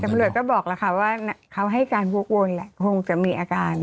ตำรวจก็บอกแล้วค่ะว่าเขาให้การวกวนแหละคงจะมีอาการ